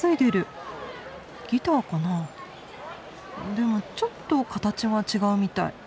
でもちょっと形は違うみたい。